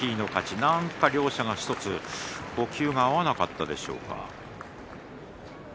何か両者が呼吸が合わなかったでしょうか。